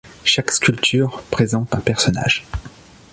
Chaque sculpture présente un personnage.